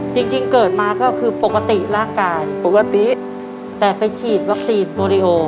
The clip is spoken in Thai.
จริงเกิดมาก็คือปกติร่างกายปกติแต่ไปฉีดวัคซีนโมริโอ